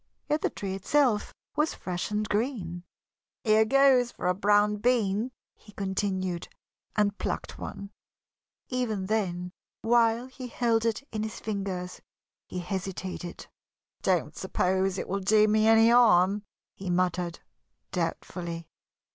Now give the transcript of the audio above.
Yet the tree itself was fresh and green. "Here goes for a brown bean," he continued, and plucked one. Even then, while he held it in his fingers, he hesitated. "Don't suppose it will do me any harm," he muttered, doubtfully.